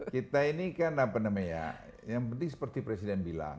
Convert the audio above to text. kita ini kan apa namanya yang penting seperti presiden bilang